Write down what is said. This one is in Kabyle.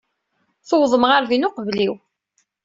Tuwḍem ɣer din uqbel-iw.